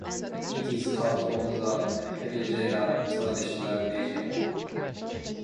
It is part of the Helgeland traditional region.